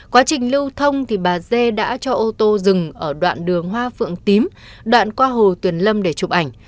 qua trình lưu thông bà d đã cho ô tô dừng ở đoạn đường hoa phượng tím đoạn qua hồ tuyệt lâm để chụp ảnh